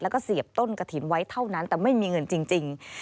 แล้วก็เสียบต้นกระถิ่นไว้เท่านั้นแต่ไม่มีเงินจริง